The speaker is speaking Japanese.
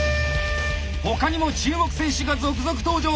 他にも注目選手が続々登場！